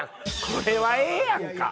これはええやんか。